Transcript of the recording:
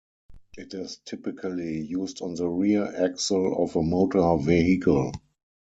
It is typically used on the rear axle of a motor vehicle.